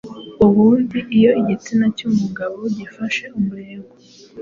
Ubundi iyo igitsina cy’umugabo gifashe umurego